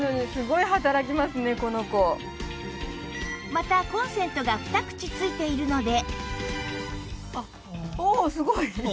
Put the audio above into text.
またコンセントが２口付いているので